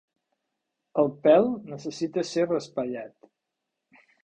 El pèl necessita ser raspallat.